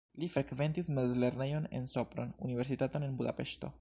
Li frekventis mezlernejon en Sopron, universitaton en Budapeŝto.